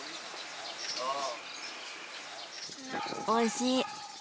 おいしい。